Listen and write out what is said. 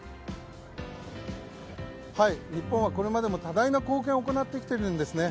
日本はこれまでも多大な貢献を行ってきているんです。